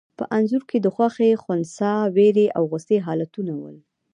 په انځور کې د خوښي، خنثی، وېرې او غوسې حالتونه وو.